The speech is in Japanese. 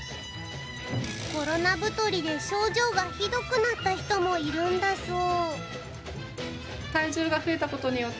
コロナ太りで症状がひどくなった人もいるんだそう。